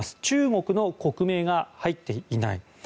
中国の国名が入っていない。